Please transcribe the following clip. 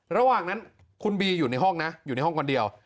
ระหว่างนั้นคุณบีอยู่ในห้องนะอยู่ในห้องคนเดียว